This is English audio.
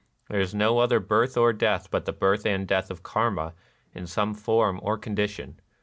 There is no other birth or death but the birth and death of Karma in some form or condition.